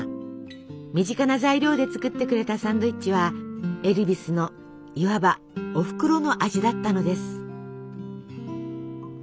身近な材料で作ってくれたサンドイッチはエルヴィスのいわばおふくろの味だったのです。